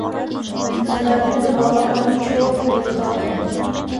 Ձմեռները բավականին չոր և տաք են։